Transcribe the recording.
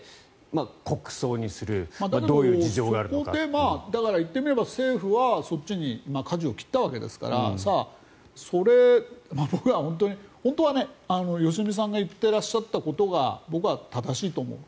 だけど、そこで言ってみれば政府はそっちにかじを切ったわけですが僕は本当は良純さんが言っていらっしゃったことが僕は正しいと思う。